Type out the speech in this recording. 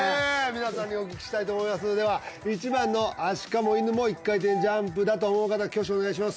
皆さんにお聞きしたいと思いますでは１番のアシカも犬も１回転ジャンプだと思う方挙手をお願いします